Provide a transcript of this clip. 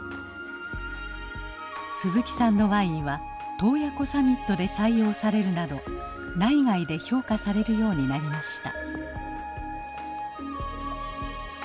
鈴木さんのワインは洞爺湖サミットで採用されるなど内外で評価されるようになりました。